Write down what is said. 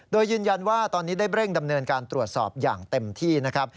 โดยยืนยันว่าตอนนี้ได้เร่งดำเนินการตรวจสอบอย่างเต็มที่นะครับ